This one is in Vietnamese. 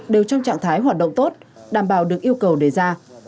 đều trong trạng thái hoạt động tốt đảm bảo được yêu cầu đề ra